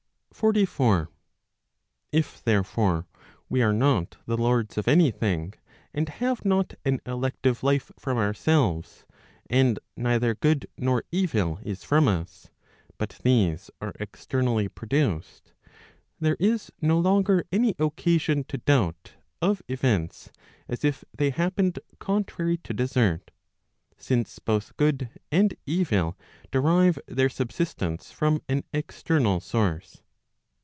Digitized by Google AND FATE. 479 44. If therefore, we are not the lords of any thing, and have not an elective life from ourselves, and neither good nor evil is from us, but these are externally produced, there is no longer any occasion to doubt of events, as if they happened contrary to desert, since both good and evil derive their subsistence from an external source.